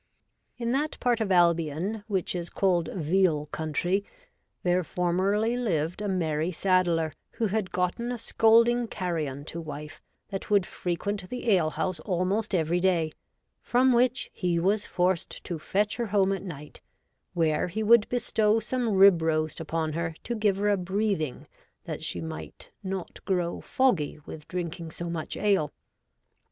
' In that part of Albion which is called Veal Country, there formerly lived a merry saddler who had gotten a scolding carrion to wife that would frequent the ale house almost every day, from which he was forced to fetch her home at night, where he would bestow some rib roast upon her to give her a breathing that she might not grow foggy with drinking so much ale.